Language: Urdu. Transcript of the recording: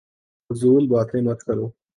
فضول باتیں مت کرو